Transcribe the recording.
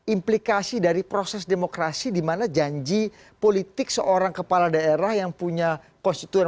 aplikasi dari proses demokrasi dimana janji politik seorang kepala daerah yang punya konstituen